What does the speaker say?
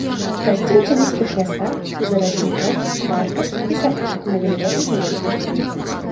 Расце ў цяністых лясах, зарасніках, парках і садах на вільготных глебах.